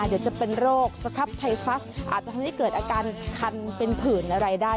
เดี๋ยวจะเป็นโรคสครับไทฟัสอาจจะทำให้เกิดอาการคันเป็นผื่นอะไรได้